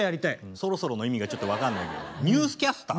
「そろそろ」の意味がちょっと分かんないけどニュースキャスター？